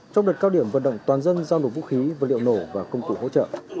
trong đợt cao điểm vận động toàn dân giao nổ vũ khí vật liệu nổ và công cụ hỗ trợ